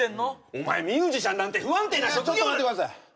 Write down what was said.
お前ミュージシャンなんて不安定な職業ちょっと待ってください